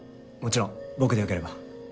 もちろん僕でよければ。